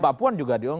papuan juga diundang